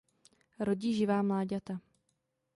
Rodí živá mláďata.